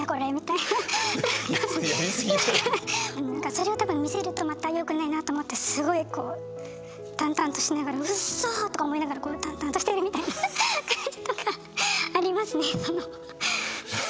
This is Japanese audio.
なんかそれを多分見せるとまたよくないなと思ってすごいこう淡々としながら「うっそ」とか思いながら淡々としてるみたいな感じとかありますねその。